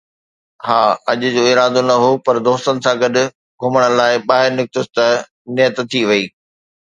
ها، اڄ جو ارادو نه هو، پر دوستن سان گڏ گهمڻ لاءِ ٻاهر نڪتس، ته نيت ٿي وئي